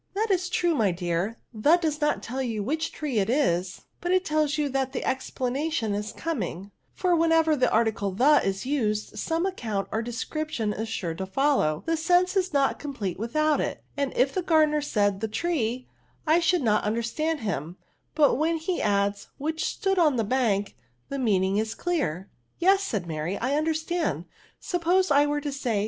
*' That is true> my dear } the does aot toll you which tree it is^ but it tells you that the explanation is coming ; for whenever the ar tide the is used^ some account or description is sure to follow ; the sense is not completo without it ; and if the gardener said the treep I should not understand him ; but when he adds, which stood on the bank, the meaning is clear/' Yes," said Mary, " I understand ; sup pose I were to say.